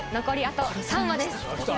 残りあと３話です。